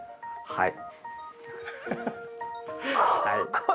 はい。